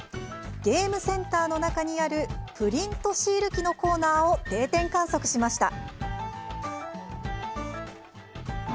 ゲームセンターの中にあるプリントシール機のコーナーを定点観測しました。